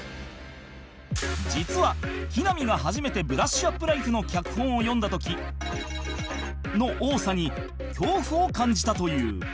実は木南が初めて『ブラッシュアップライフ』の脚本を読んだ時の多さに恐怖を感じたという